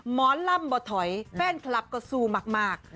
หมอลำบ่ถอยแฟนคลับก็สู้มาก